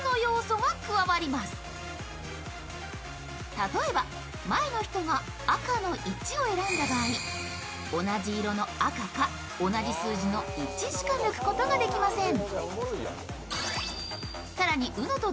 例えば前の人が赤の１を選んだ場合同じ色の赤か、同じ数字の１しか抜くことができません。